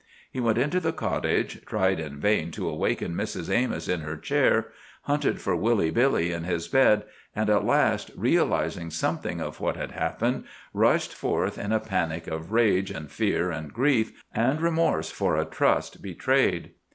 He went into the cottage, tried in vain to awaken Mrs. Amos in her chair, hunted for Woolly Billy in his bed, and at last, realizing something of what had happened, rushed forth in a panic of rage and fear and grief, and remorse for a trust betrayed.